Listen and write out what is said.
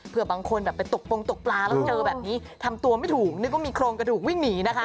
เพื่อบางคนแบบไปตกปรงตกปลาแล้วเจอแบบนี้ทำตัวไม่ถูกนึกว่ามีโครงกระดูกวิ่งหนีนะคะ